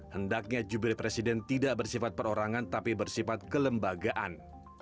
hendaknya jubir presiden tidak bersifat perorangan tapi bersifat kelembagaan